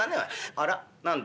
あら何だ